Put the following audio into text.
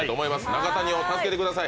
中谷を助けてください。